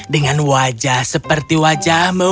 dengan wajah seperti wajahmu